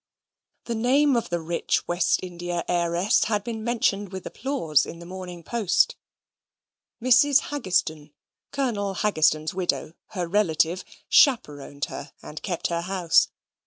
The name of the rich West India heiress had been mentioned with applause in the Morning Post. Mrs. Haggistoun, Colonel Haggistoun's widow, her relative, "chaperoned" her, and kept her house.